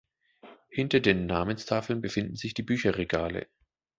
Hinter den Namenstafeln befinden sich die Bücherregale.